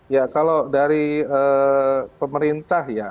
ya kalau dari pemerintah ya